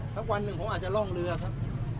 สักวันหนึ่งผมอาจจะร่องเรือครับ